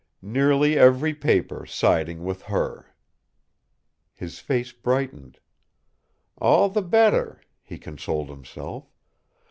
"Nearly every paper siding with her!" His face brightened. "All the better," he consoled himself.